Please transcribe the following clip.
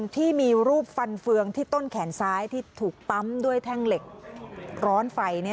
ที่มีรูปฟันเฟืองที่ต้นแขนซ้ายที่ถูกปั๊มด้วยแท่งเหล็กร้อนไฟ